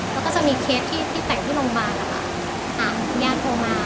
แล้วก็จะมีเคสที่แต่งที่โรงพยาบาลนะคะญาติโทรมา